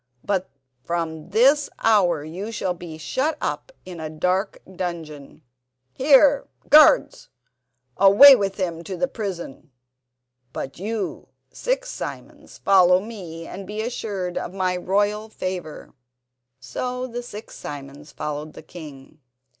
But from this hour you shall be shut up in a dark dungeon. Here, guards! away with him to the prison. But you six Simons follow me and be assured of my royal favour." So the six Simons followed the king.